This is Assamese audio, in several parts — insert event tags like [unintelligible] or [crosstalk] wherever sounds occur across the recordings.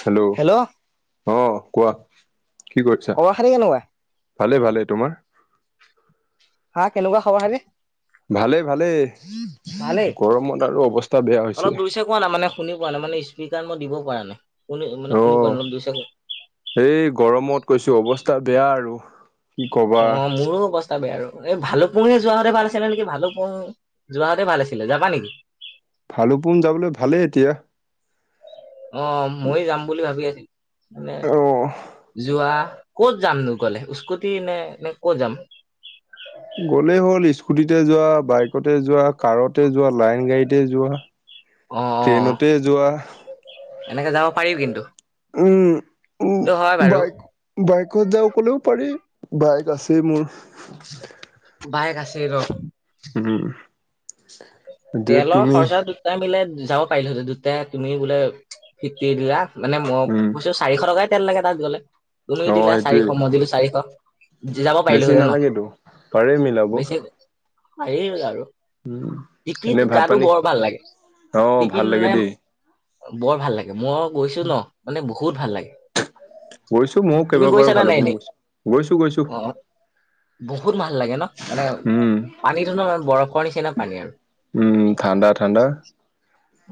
হেল্ল' আহ কোৱা কি কৰিছা? খবৰ খাতি কেনেকুৱা ভালে ভালেই। তোমাৰ। হা কেনেকুৱা খবৰ খাতি? ভালে, ভালে ভালেই গৰমত আৰু অৱস্থা বেয়া হৈছে। পোৱা নাই মানে শুনি পোৱা নাই মানে স্পিকাৰ মই দিব পৰা নাই শুনি মানে অ শুনি পোৱা নাই অলপ জোৰছে এই গৰমত কৈছোঁ অৱস্থা বেয়া আৰু। কি কবা অ মোৰো অৱস্থ স্থা বেয়া আৰু এই ভালুকপুঙে যোৱাহতে ভাল আছিলে নেকি ভালুকপুং যোৱাহতে ভাল আছিলে যাবা নেকি? ভালুকপুং যাবলৈ ভালেই এতিয়া। অ মইয়ো যাম বুলি ভাৱি [unintelligible] মানে। [unintelligible] যোৱা ক'ত যাম নহ গ'লে স্কুটি নে, নে ক'ত যাম। গ'লেই হ'ল স্কুটিতে যোৱা বাইকতে যোৱা কাৰতে যোৱা লাইন গাড়ীতে যোৱা। অ, অ, অ ট্ৰেইনতে যোৱা এনেকে যাব পাৰি কিন্তু। উম উ এইটো হয় বাৰু বাইক। বাইকত যাওঁ ক'লেও পাৰি বাইক আছে মোৰ। বাইক আছে। [unintelligible] উম। এতিয়া তেলৰ তুমি খৰচা দুটাই মিলাই যাব পাৰিলোহেঁতে দুটাই তুমি বোলে ফিৰ্ফটি দিলা। মানে মই উম কৈছোঁ চাৰিশ টকাই তেল লাগে তাত গ'লে তুমি অ দিলা চাৰিশ সেইটোৱেই মই দিলোঁ চাৰিশ। গুচি যাব বেছি পাৰিলোঁহেতেন নালাগেতো পাৰে নহ মিলাব বেছি হেৰি আৰু। উম। টিপিত গাটো বৰ ভাল লাগে অ টিপিত ভাল লাগে দেই মানে। বৰ ভাল লাগে মই গৈছোঁ নহ মানে বহুত ভাল লাগে। গৈছোঁ ময়ো তুমি গৈছা কেইবাবাৰো নে নাই ভালুকপুং এনেই গৈছোঁ, গৈছোঁ, গৈছোঁ। অ বহুত ভাল লাগে নহ মানে উম পানীটো নহ ধৰ বৰফৰ নিচিনা পানী আৰু। উম ঠাণ্ডা, ঠাণ্ডা।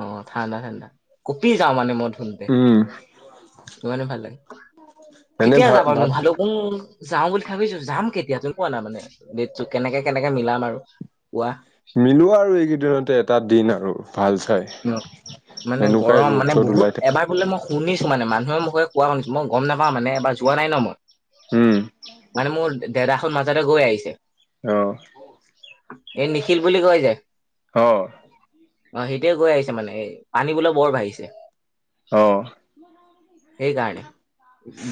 অ ঠাণ্ডা, ঠাণ্ডা কপি যাওঁ মানে মই। [unintelligible] উম সিমানে ভাল লাগে। এনে কেতিয়া ভাত যাবানো ভাত ভালুক উম যাওঁ বুলি ভাৱিছোঁ যাম কেতিয়া কোৱা না মানে ডেট কেনেকে, কেনেকে মিলাম আৰু। ৱাহ। মিলোৱা আৰু এইকেইদিনতে এটা দিন আৰু ভাল চাই। মানে এনেকুৱাই গৰম ৰ'দ মানে চ'দ ওলাই বহুত এবাৰ থাকে বোলে মই শুনিছোঁ মানে মানুহৰ মুখত কোৱা শুনিছোঁ মই গম নাপাওঁ মানে এ যোৱা নাই নহ মই। উম। মানে মোৰ দাদাখন মাজতে গৈ আহিছে। অ। এই নিখিল বুলি কয় যে। অ। অ সিহঁতিয়ে গৈ আহিছে মানে পানী বোলে বৰ বাঢ়িছে। অ। [inaudible] সেইকাৰণে,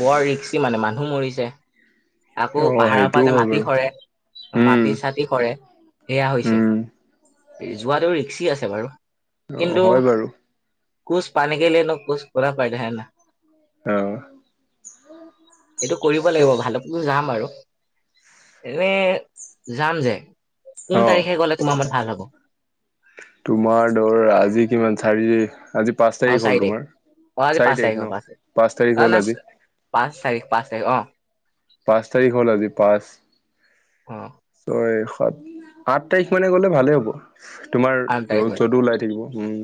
বৰ ৰিক্সি মানে মানুহ মৰিছে। আকৌ অ পাহাৰৰ সেইটোও পৰা যে হয় মাটি বাৰু সৰে উম মাটি চাটি সৰে। সেয়া উম হৈছে। যোৱাটো ৰিক্সি আছে বাৰু অ কিন্তু। হয় বাৰু [unintelligible] অ। এইটো কৰিব লাগিব ভালুক পুং যাম বাৰু। এনে যাম যে কোন অ তাৰিখে গ'লে তোমাৰ মত ভাল হ'ব? তোমাৰ ধৰ আজি কিমান চাৰি, আজি পাঁচ অ তাৰিখ হ'ল চাৰি তোমাৰ। অ আজি চাৰি পাঁচ তাৰিখ অ ন' পাঁচ পাঁচ তাৰিখ অ না হ'ল আজি। পাঁচ তাৰিখ, পাঁচ তাৰিখ অ'। পাঁচ তাৰিখ হ'ল আজি পাঁচ। অ'। ছয় সাত, আঠ তাৰিখ মানে গ'লে ভালে হ'ব। তোমাৰ আঠ তাৰিখ ৰ'দ মান চ'দো ওলাই থাকিব উম।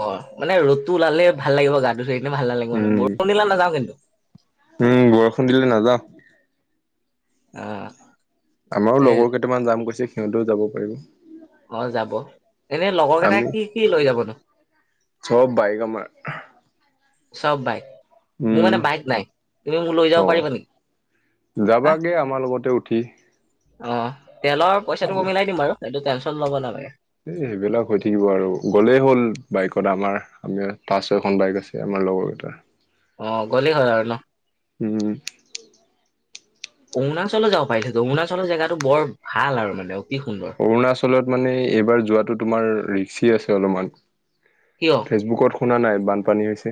অ' মানে ৰ'দটো ওলালে ভাল লাগিব গাটো যে একদম ভাল নালাগিব, মানে উম বৰষুণ দিলে নাযাওঁ কিন্তু। উম, বৰষুণ দিলে নাযাওঁ। আ। আমাৰো লগৰ কেইটামান যাম গৈছে সিহঁতেও যাব পাৰিব। অ' যাব। এনে লগৰ কেইটা আমি কি কি লৈ যাবনো? চব বাইক আমাৰ। চব বাইক, মোৰ উম মানে বাইক নাই। তুমি মোক লৈ অ যাব পাৰিবা নেকি? হা যাবাগে আমাৰ লগতে উঠি। অ' তেলৰ পইচাটো আৰু মই মিলাই দিম বাৰু, এইটো টেনচন ল'ব নালাগে। এইবিলাক হৈ থাকিব আৰু, গ'লেই হ'ল বাইকত আমাৰ। আমি পাঁচ ছয়খন বাইক আছে আমাৰ লগৰ কেইটাৰ। অ' গলেই হ'ল আৰু ন'? উম। অৰুণাচলো যাব পাৰিলোঁ, অৰুণাচলৰ জেগাটো বৰ ভাল আৰু মানে অ' কি সুন্দৰ। অৰুণাচলত মানে এইবাৰ যোৱাটো তোমাৰ ৰিক্সি আছে অলপমান। কিয়? ফেচবুকত শুনা নাই বানপানী হৈছে।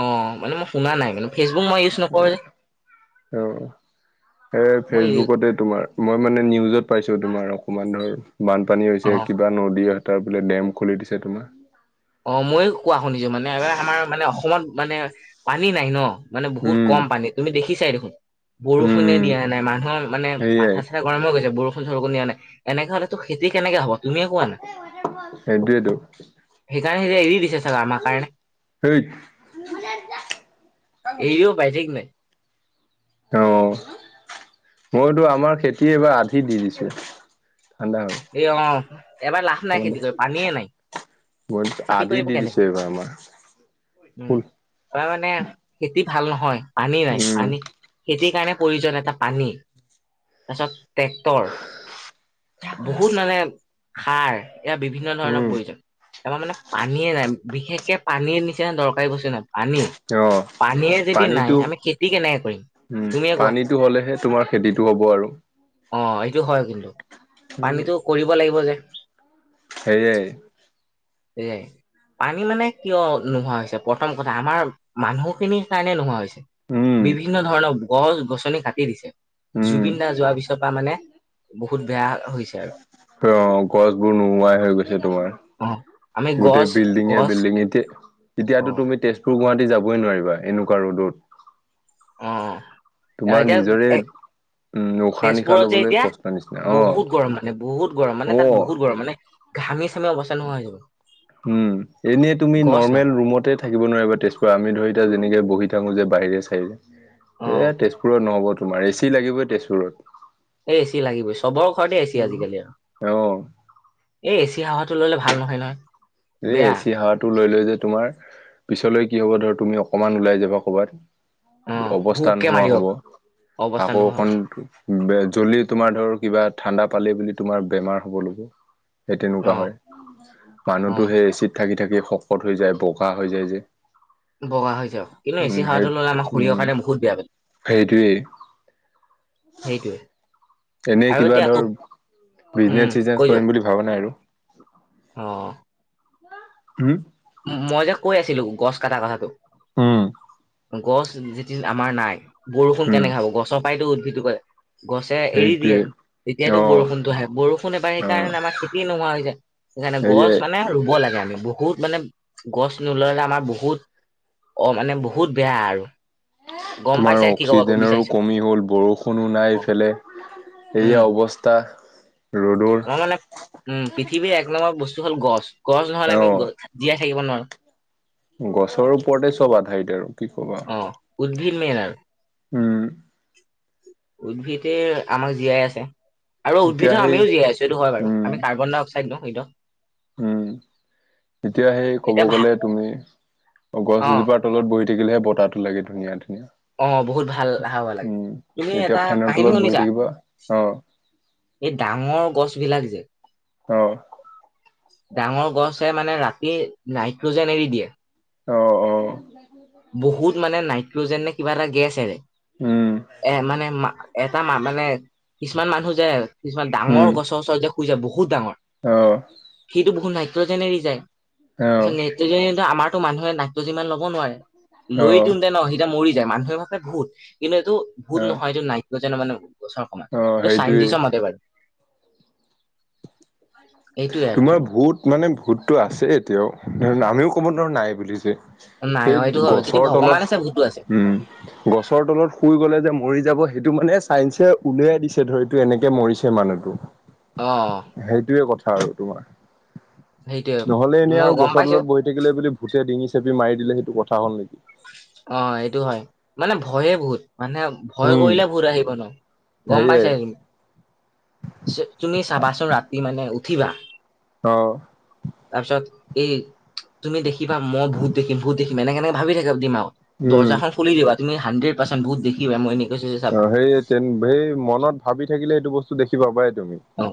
অ' মানে মই শুনা নাই, মানে ফেচবুক মই ইউজ নকৰো যে অ' সেই মই ফেচবুকতে তোমাৰ মই মানে নিউজত পাইছোঁ তোমাৰ অকণমান ধৰ বানপানী অ হৈছে কিবা নদীত তাত বোলে ডেম খুলি দিছে তোমাৰ। অ' ময়ো কোৱা শুনিছোঁ, মানে এবাৰ আমাৰ মানে অসমত মানে পানী নাই ন'। মানে বহুত উম, কম পানী, তুমি দেখিছাই দেখোন। উম, বৰষুণে উম। দিয়া নাই, মানুহৰ মানে মাথা সেয়াই চাথা গৰম হৈ গৈছে বৰষু [unintelligible] এনেকে হ'লেতো খেতি কেনেকে হ'ব তুমিয়ে কোৱা না। সেইটোৱেতো। সেইকাৰণে এতিয়া এৰি দিছে চাগে আমাৰ কাৰণে। সেই এৰিও বা ঠিক নাই। অ', মইতো আমাৰ খেতি এইবাৰ আধি দি দিছোঁ ঠাণ্ডা হ'ল। এ, অ', এবাৰ লাখ নাই খেতি কৰিব পানীয়ে নাই, মই খেতি আধি কৰিব দি দিছো কেনেকে? এইবাৰ আমাৰ উম, ফুল তাৰ মানে খেতি ভাল নহয়, পানী নাই। উম, পানী খেতিৰ কাৰণে প্ৰয়োজন এটা পানী, তাৰপিছত ট্ৰেক্টৰ। বহুত মানে সাৰ, ইয়াৰ বিভিন্ন ধৰণৰ উম, প্ৰয়োজন। এইবাৰ মানে পানীয়ে নাই, বিশেষকে পানীয়ে নিচিনা দৰকাৰী বস্তু নাই। পানী অ'। পানীয়ে যদি নাই পানীটো আমি খেতি কেনেকে কৰিম। উম, তুমিয়ে কোৱা পানীটো হলেহে তোমাৰ খেতিটো হ'ব আৰু। অ' এইটো হয় কিন্তু, পানীটো কৰিব লাগিব যে। সেইয়াই। এইয়াই। পানী মানে কিয় নোহোৱা হৈছে প্ৰথম কথা আমাৰ মানুহখিনিৰ কাৰণে নোহোৱা হৈছে। উম বিভিন্ন ধৰণৰ গছ গছনি কাটি দিছে। উম জুবিন দা যোৱাৰ পিছৰ পৰা মানে বহুত বেয়া হৈছে আৰু। অ' গছবোৰ নোৱাই হৈ গৈছে তোমাৰ। অ আমি গোটেই গছ বিল্ডিঙে গছ বিল্ডিং এতিয়া, অ এতিয়াতো তুমি তেজপুৰ গুৱাহাটী যাবই নোৱাৰিবা, এনেকুৱা ৰদত। অ'। এ তোমাৰ এতিয়া নিজৰে এ উম উশাহ নিশাহ তেজপুৰত যে লবলৈ এতিয়া, কষ্ট নিচিনা অ বহুত গৰম, মানে বহুত গৰম, মানে অ তাত বহুত গৰম, মানে ঘামি চামি অৱস্থা নহোৱা হৈ যাব। উম, এনেই তুমি গছ নাই নৰ্মেল ৰুমতে থাকিব নোৱাৰিবা তেজপুৰত আমি ধৰ এতিয়া যেনেকে বহি থাকো যে বাহিৰে অ চাইৰে এ তেজপুৰ পুৰত নহ'ব তোমাৰ, এচি লাগিবই তেজপুৰত। এই এচি লাগিবই, চবৰ ঘৰতে এচি আজিকালি আৰু। অ এই এ চি হাৱাটো ল'লে ভাল নহয় নহয়। এই বেয়া এচি হোৱাটো লৈ লৈ যে তোমাৰ পিছলৈ কি হব ধৰ তুমি অকমান ওলাই যাবা কৰবাত। অ অৱস্থা হুকে নোহোৱা হব মাৰিব অৱস্থা আকৌ নোহোৱা হ'ব অকন জ্ব্লি তোমাৰ ধৰ কিবা ঠাণ্ডা পালে বুলি তোমাৰ বেমাৰ হ'ব লব। সেই তেনেকুৱা অ হয়, অ মানুহতো সেই এচিড থাকি থাকি শকত হৈ যায় বগা হৈ যায় যে। বগা হৈ যায়, কিন্তু উম এচি সেই হোৱাটো ললে আমাৰ শৰীৰৰ উম কাৰণে বহুত বেয়া। সেইটোৱেই সেইটোৱে। এনেই আৰু কিবা এতিয়া আকৌ ধৰ, উম বিজনেচ চিজনেচ কৰিম বুলি ভাবা নাই আৰু। অঁ'। উম মই যে কৈ আছিলো গছ কটা কথাটো উম গছ যেতি আমাৰ নাই বৰষুণ উম কেনেকে হাব গছৰ পায়তো উদ্ভিদ কৰে গছে এৰি সেইটোৱে দিয়ে তেতিয়াতো অ বৰষুণতো আহে বৰষুণ এবাৰ অ সেইকাৰণে আমাৰ খেতি নোহোৱা হৈ যায় সেইকাৰণে সেয়াই গছ মানে ৰুব লাগে আমি বহুত মানে গছ নোললে আমাৰ বহুত অ মানে বহুত বেয়া আৰু গম তোমাৰ পাইছাই কি ক'ব অক্সিজেনৰো বিচাৰিছো কমি হ'ল বৰষুণো অ নাই ফেলে এইয়া উম অৱস্থা ৰ'দৰ আমাৰ মানে উম পৃথিৱীৰ এক নম্বৰ বস্তু হ'ল গছ গছ নহলে অ আমি জীয়াই থাকিব নোৱাৰো গছৰ ওপৰতে চব আধাইদ আৰু কি কবা অঁ উদ্ভিদ মেইন আৰু। উম। উদ্ভিদ আমাক জীয়াই আছে আৰু উদ্ভিদ এতিয়া সেই আমিও জীয়াই আছো এইটো হয় বাৰু উম আমি কাৰ্বন ডাই অক্সাইড নওঁ সটো উম এতিয়া সেই ক'ব এতিয়া ভা গ'লে তুমি অ গছ এজোপাৰ তলত বহি থাকিলেহে বতাহটো লাগে ধুনীয়া ধুনীয়া। অ বহুত ভাল হাৱা লাগে। উম তুমি এটা এতিয়া ফেনৰ কাহিনী তলত বহি শুনিছা? থাকিবা অ এই ডাঙৰ গছ বিলাক যে অ। ডাঙৰ গছ হে মানে ৰাতি নাইট্ৰজেন এৰি দিয়ে। অ অ। বহুত মানে নাইট্ৰজেন নে কিবা এটা গেছ এৰে। উম এ মানে এটা মা মানে কিছুমান মানুহ যে কিছুমান উম ডাঙৰ গছৰ ওচৰত যে শুই যায় বহুত ডাঙৰ অ। সিটো বহুত নাইট্ৰজেনে এৰি যায়। সেইকাৰণে আমাৰতো মানুহে নাইট্ৰজেন যিমান ল'ব নোৱাৰে। অ লৈ দিওঁতে অ ন এতিয়া মৰি যায়। মানুহে ভাৱে ভূত কিন্তু এইটো ভূত নহয় অ এইটো নাইট্ৰজেন যে মানে গছৰ সমান। ত সেইটোৱেই চাইন্টিচৰ মতে বাৰু সেইটোয়ে আৰু তোমাৰ ভূত মানে ভূতটো আছে এতিয়াও। আমিও ক'ব নোৱাৰো নাই বুলি যে। নাই অ সেই এইটো হয় যদি গছৰ ভগৱান তলত। আছে ভূতো আছে উম গছৰ তলত শুই গলে যে মৰি যাব সেইটো মানে চাইঞ্চে উলিয়াই দিছে ধৰিতো এনেকে মৰিছে মানুহটো। [unintelligible] অ। সেইটোয়ে কথা আৰু তোমাৰ। সেইটোয়ে নহলে এনেই মই আৰু গম গছৰ পাইছো তলত বহি থাকিলে বুলি ভূতে ডিঙি চেপি মাৰি দিলে সেইটো কথা হল নেকি? অ এইটো হয়। মানে ভয়ে ভূত মানে ভয় উম কৰিলে ভূত আহিব ন গম সেয়াই পাইছা তুমি। তুমি চাবাচোন ৰাতি মানে উঠিবা অ। তাৰ পিছত এই তুমি দেখিবা মই ভূত দেখিম ভূত দেখিম। এনেকে সেনেকে ভাবি থাকিবা ডিমাগত। উম দৰ্জাখন খুলি দিবা তুমি সান্ড্ৰেট পাৰ্চেণ্ট ভূত দেখিবাই মই এ অ সেই তেন সেই মনত ভাবি থাকিলে সেইটো বস্তু দেখি পাবাই তুমি। অ।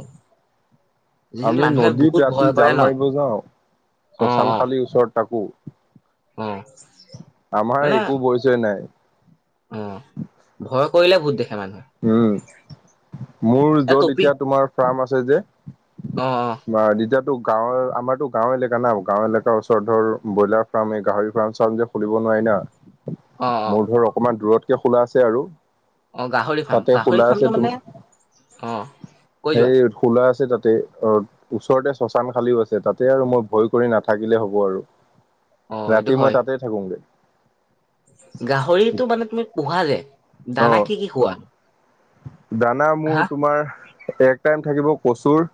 যদি আমি মানুহে বহুত নদীত ভয় ৰাতি কৰে জাল ন মাৰিব যাওঁ। অ শ্মশান অ শালীৰ ওচৰত তাকো অ আমাৰ একো ভয়-চয় নাই। উম। ভয় কৰিলে ভূত দেখে মানুহে। উম। মোৰ এ য'ত টপিক এতিয়া তোমাৰ ফাৰ্ম আছে যে অ অ [unintelligible] গাঁৱৰ। আমাৰতো গাওঁ এলেকা না গাঁৱৰ এলেকাৰ ওচৰত ধৰ ব্ৰইলাৰ ফাৰ্ম এই গাহৰি ফাৰ্ম চাম যে খুলিব নোৱাৰি না। অ অ মোৰ ঘৰ অকমান দূৰতকে খোলা আছে আৰু। অ গাহৰি ফাৰ্ম। তাতে গাহৰি খোলা আছে ফাৰ্মটো তুম মানে! অ কৈ সেই যোৱা খোলা আছে তাতে। অ ওচৰতে শ্মশান শালিও আছে তাতে আৰু মই ভয় কৰি নাথাকিলে হ'ব আৰু। অ এইটো ৰাতি মই হয় তাতে থাকোগে। গাহৰিটো মানে তুমি পোহা যে অ দানা কি কি খোৱা? দানা হা মোৰ তোমাৰ এক টাইম থাকিব কচুৰ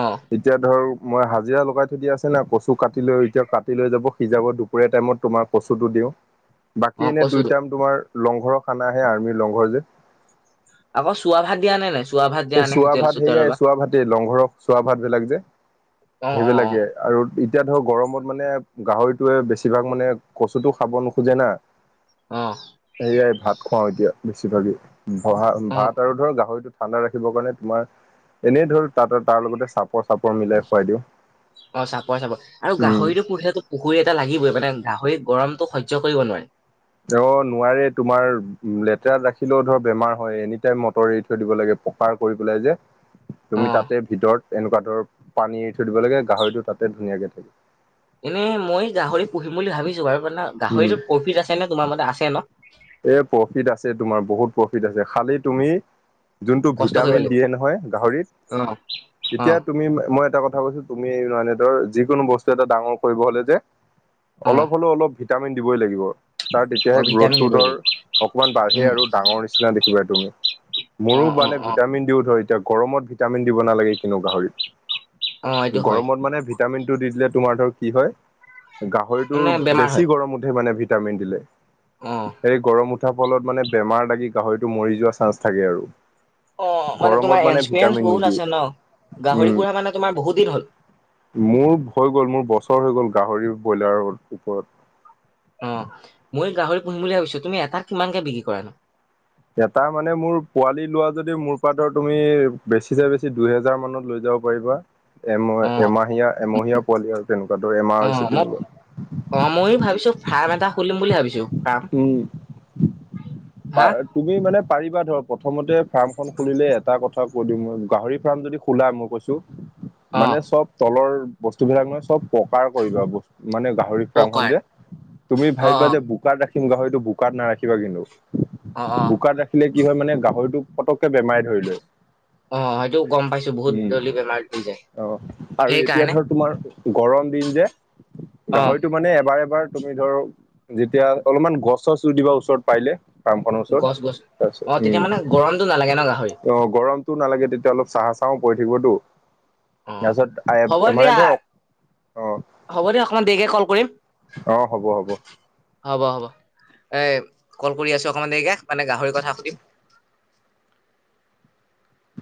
অঁ। এতিয়া ধৰ মই হাজিৰা লগাই থৈ দিয়া আছে না। কচু কাটি লৈ এতিয়া কাটি লৈ যাব সিজাব দু দুপৰীয়া টাইমত তোমাৰ কচুটো দিওঁ। বাকী অ এনে কৈছো দুই তো টাইম তোমাৰ লংঘৰৰ খানা আহে আৰ্মিৰ লংঘৰ যে আকৌ চোৱা ভাত, দিয়া নে নাই? চোৱা ভাত দিয়া নে চোৱা হোটেল ভাত চোটেলৰ সেয়াই, পৰা চোৱা ভাতেই, লংঘৰৰ চোৱা ভাত বিলাক যে, অ অ অ সেইবিলাকে। আৰু এতিয়া ধৰক গৰমত মানে, গাহৰিটোৱে বেছিভাগ মানে, কচুটো খাব নোখোজে না। [inaudible] অ। হেয়াই ভাত খুৱাও এতিয়া, বেছি ভাগে। অ ভ-ভাত আৰু ধৰ গাহৰিটো ঠাণ্ডা ৰাখিবৰ কাৰণে তোমাৰ, এনেই ধৰ তাত, তাৰ লগতে চাপৰ-চাপৰ মিলাই খুৱাই দিওঁ। অ' চাপৰ-চাপৰ আৰু উম গাহৰিতটো, পুহিলেতো পুখুৰী এটা লাগিবই। মানে গাহৰি, গৰমটো সহ্য কৰিব নোৱাৰে। অ' নোৱাৰে। তোমাৰ লেতেৰাত ৰাখিলেও ধৰ বেমাৰ হয়, এনি টাইম, মটৰ এৰি থৈ দিব লাগে। প পাৰ কৰি পেলাই যে। অ তুমি তাতে ভিতৰত এনেকুৱা ধৰ, পানী এৰি থৈ দিব লাগে, গাহৰিটো তাতে ধুনীয়াকে থাকে। এনেই মই গাহৰি পুহিম বুলি ভাবিছো বাৰুে। মানে, উম, গাহৰিতো প্ৰফিট আছে নে? তোমাৰ মতে আছে ন'। এ প্ৰফিট আছে, তোমাৰ বহুত প্ৰফিট আছে। খালি তুমি যোনটো কষ্ট কৰিব ভিটামিন লাগিব দিয়ে নহয়, গাহৰিত। অ অ তেতিয়া তুমি, মই এটা কথা কৈছো তুমি মানে ধৰ, যিকোনো বস্তু এটা ডাঙৰ কৰিব হলে যে, অ অলপ হ'লেও, অলপ ভিটামিন দিবই লাগিব। তাৰ অ তেতিয়াহে গ্ৰথ' ভিটামিন টো দিব ধৰ, লাগিব অকণমান বাঢ়ে উম আৰু ডাঙৰ নিচিনা দেখিবা তুমি। অ মোৰো অ মানে অ ভিটামিন দিও ধৰ, এতিয়া গৰমত ভিটামিন দিব নালাগে কোনো গাহৰিক। অ এইটো হয় গৰমত মানে ভিটামিন টো দি দিলে, তোমাৰ ধৰ কি হয়, মানে গাহৰিটোৰ বেমাৰ হয় বেছি গৰম উঠে, মানে ভিটামিন দিলে। অ। সেই গৰম উঠাৰ ফলত মানে, বেমাৰ লাগি, গাহৰিটো মৰি যোৱা চান্স থাকে আৰু। অ', মানে গৰমত তোমাৰ এক্সপিৰিয়েঞ্চ ভিটামিন বহুত নিদিয়ে আছে ন' উম গাহৰি পুহা মানে, তোমাৰ বহুত দিন হ'ল। মোৰ হৈ গ'ল, মোৰ বছৰ হৈ গ'ল, গাহৰি ব্ৰইলাৰৰ ওপৰত। অ' মই গাহৰি পুহিম বুলি ভাবিছো। তুমি এটাত, কিমানকে বিক্ৰী কৰা নোঁ? এটা মানে মোৰ, পোৱালি লোৱা যদি মোৰ পা ধৰ, তুমি বেছি চে বেছি, দুই হেজাৰ মানত লৈ যাব পাৰিবা। অ', এম-এমাহীয়া, এমহীয়া পোৱালি আৰু তেনেকুৱা ধৰ, এমাহ অ', হৈছে মই তেনেকুৱা। অ' ময়ো ভাবিছোঁ, ফাৰ্ম এটা খুলিম বুলি ভাবিছো। ফাৰ্ম উম, হা তুমি মানে পাৰিবা ধৰ, প্ৰথমতে ফাৰ্ম খন খুলিলে এটা কথা কৈ দিওঁ মই, গাহৰি ফাৰ্ম, যদি খোলা মই কৈছো, মানে অ', চব তলৰ বস্তু বিলাক ন' চব পকাৰ কৰিবা, ব মানে গাহৰি ফাৰ্ম খন পকাৰ যে, তুমি অ', ভাবিবা অ', যে, বোকা ৰাখ ম গাহৰিটো, বোকাত নাৰাখিবা কিন্তু। অ' অ'। বোকাত ৰাখিলে কি হয় মানে, গাহৰিটো পটককে বেমাই ধৰি লয়। অ', সেইটো গম পাইছো বহুত উম, জল্দি বেমাৰ হৈ যায় অ' আৰু এতিয়া সেইকাৰণে ধৰ তোমাৰ গৰম দিন যে অ', গাহৰিটো মানে এবাৰ এবাৰ তুমি ধৰ যেতিয়া অলপমান গছ চছ ৰুই দিবা ওচৰত পাৰিলে ফ্ৰাম খনৰ ওচৰত গছ গছ তাৰ অ', তেতিয়া মানে গৰমটো নালাগে ন গাহৰি পিছত উম অ' গৰমতো নালাগে তেতিয়া অলপ চা চাহো পৰি থাকিবতো অ', তাৰপিছত হ'ব আহ মানে দিয়া ধৰক অ' হ'ব দিয়া অকণমান দেৰিকে কল কৰিম। অ' হ'ব হ'ব। হ'ব হ'ব এ কল কৰি আছো অকমান দেৰিকে মানে গাহৰিৰ কথা সুধিম।